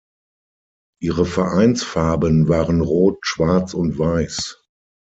Ihre Vereinsfarben waren rot, schwarz und weiß.